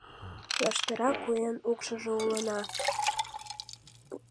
Лаштыра куэн укшыжо улына